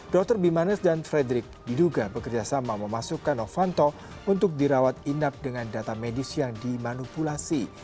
dr bimanes dan frederick diduga bekerjasama memasukkan novanto untuk dirawat inap dengan data medis yang dimanipulasi